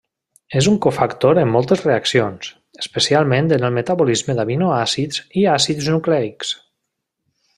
És un cofactor en moltes reaccions, especialment en el metabolisme d'aminoàcids i àcids nucleics.